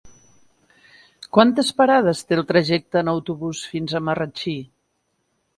Quantes parades té el trajecte en autobús fins a Marratxí?